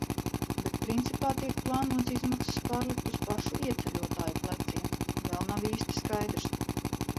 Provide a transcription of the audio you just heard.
Bet principā tiek plānots izmaksas pārlikt uz pašu ieceļotāju pleciem. Vēl nav īsti skaidrs.